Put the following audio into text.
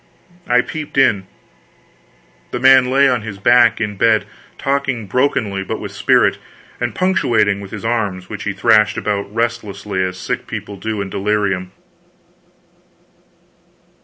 I peeped in. The man lay on his back in bed, talking brokenly but with spirit, and punctuating with his arms, which he thrashed about, restlessly, as sick people do in delirium.